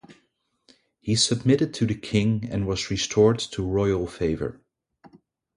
He submitted to the King and was restored to royal favour.